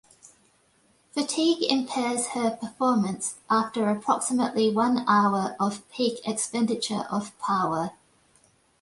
Fatigue impairs her performance after approximately one hour of peak expenditure of power.